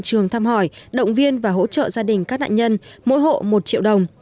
trường thăm hỏi động viên và hỗ trợ gia đình các nạn nhân mỗi hộ một triệu đồng